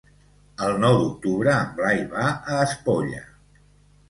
El nou d'octubre en Blai va a Espolla.